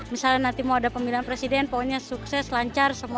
misalnya nanti mau ada pemilihan presiden pokoknya sukses lancar semua